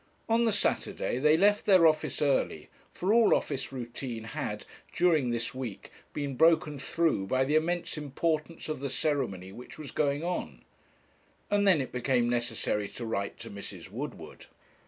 On the Saturday they left their office early; for all office routine had, during this week, been broken through by the immense importance of the ceremony which was going on; and then it became necessary to write to Mrs. Woodward.